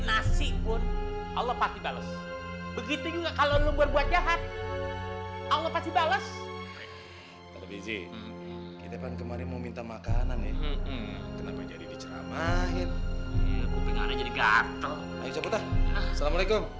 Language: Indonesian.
ayo cabutlah assalamualaikum